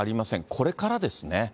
これからですね。